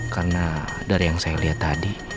karena dari yang saya lihat tadi